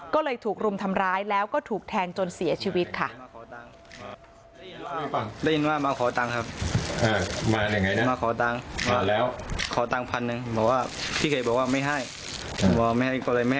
ก็เลยถูกรุมทำร้ายแล้วก็ถูกแทงจนเสียชีวิตค่ะ